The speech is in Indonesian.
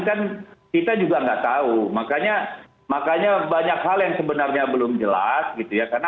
kan kita juga tidak tahu makanya banyak hal yang sebenarnya belum jelas karena